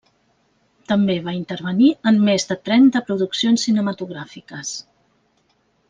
També va intervenir en més de trenta produccions cinematogràfiques.